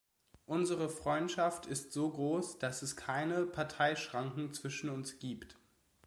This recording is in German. Unsere Freundschaft ist so groß, dass es keine Parteischranken zwischen uns gibt.